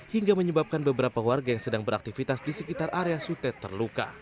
hingga menyebabkan beberapa warga yang sedang beraktivitas di sekitar area sutet terluka